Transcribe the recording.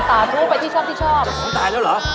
ต่าทูไปที่ชอบตายแล้วเหรอ